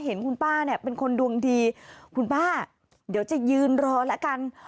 เห็นคุณป้าเนี่ยเป็นคนดวงดีคุณป้าเดี๋ยวจะยืนรอแล้วกัน